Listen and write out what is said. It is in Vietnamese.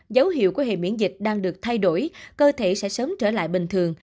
dấu hiệu của hệ miễn dịch đang được thay đổi cơ thể sẽ sớm trở lại bình thường